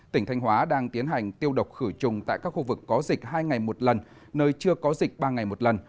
tỉnh thanh hóa đang tiến hành tiêu độc khử trùng tại các khu vực có dịch hai ngày một lần nơi chưa có dịch ba ngày một lần